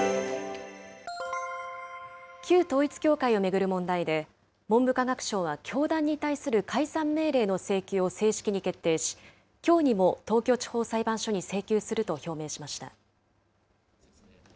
旧統一教会を巡る問題で、文部科学省は、教団に対する解散命令の請求を正式に決定し、きょうにも東京地方裁判所に請求すると表明しました。